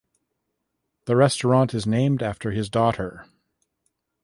The restaurant is named after his daughter.